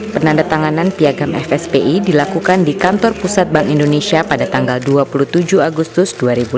penandatanganan piagam fspi dilakukan di kantor pusat bank indonesia pada tanggal dua puluh tujuh agustus dua ribu delapan belas